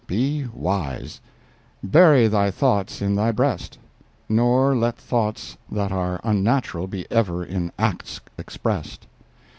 Be wise; Bury thy thoughts in thy breast; Nor let thoughts that are unnatural Be ever in acts expressed.